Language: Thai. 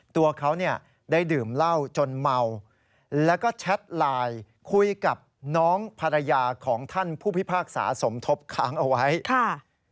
ตัวเขาเนี่ยได้ดื่มเหล้าจนเมาแล้วก็แชทไลน์คุยกับน้องภรรยาของท่านผู้พิพากษาสมทบค้างเอาไว้ค่ะ